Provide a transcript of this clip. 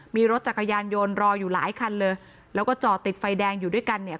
มีรถจักรยานยนต์รออยู่หลายคันเลยแล้วก็จอดติดไฟแดงอยู่ด้วยกันเนี่ย